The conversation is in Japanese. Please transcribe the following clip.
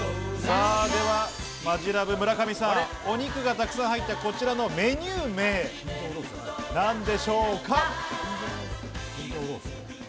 マヂラブ・村上さん、お肉が沢山入ったこちらのメニュー名、なんでしょうか？